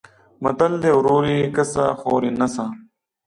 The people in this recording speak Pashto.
متل دی: ورور یې کسه خور یې نسه.